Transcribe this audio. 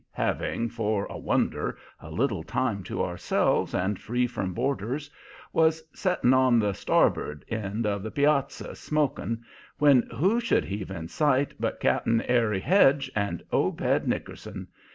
having, for a wonder, a little time to ourselves and free from boarders, was setting on the starboard end of the piazza, smoking, when who should heave in sight but Cap'n Eri Hedge and Obed Nickerson.